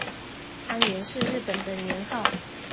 安元是日本的年号。